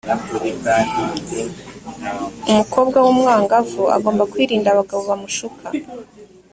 umukobwa wumwangavu agomba kwirinda abagabo bamushuka.